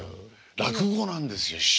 落語なんですよ師匠。